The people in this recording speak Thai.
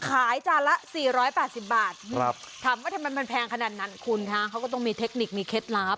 จานละ๔๘๐บาทถามว่าทำไมมันแพงขนาดนั้นคุณคะเขาก็ต้องมีเทคนิคมีเคล็ดลับ